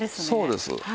そうです。